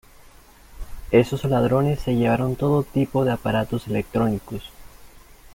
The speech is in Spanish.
Esos ladrones se llevaron todo tipo de aparatos electrónicos.